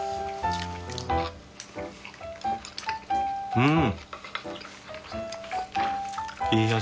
うん。